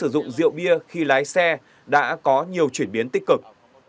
dựng rượu bia khi lái xe đã có nhiều chuyển biến tích cực